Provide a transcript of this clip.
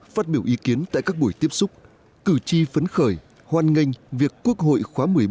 phát biểu ý kiến tại các buổi tiếp xúc cử tri phấn khởi hoan nghênh việc quốc hội khóa một mươi bốn